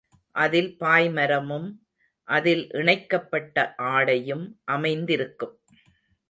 அதில் பாய்மரமும், அதில் இணைக்கப்பட்ட ஆடையும் அமைந்திருக்கும்.